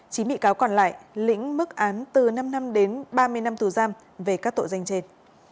chín bị cáo còn lại lĩnh mức án từ năm năm đến ba mươi năm tù giam về các tội danh trên